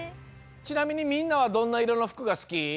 ちなみにみんなはどんないろのふくがすき？